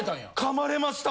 咬まれました。